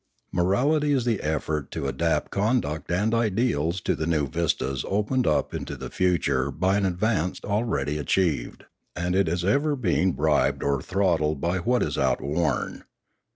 Morality is the effort to adapt con duct and ideals to the new vistas opened up into the future by an advance already achieved; and it is ever being bribed or throttled by what is outworn.